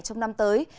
trong năm tới